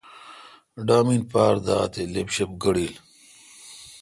ڈامین پار داتے°لب ݭب گڑیل۔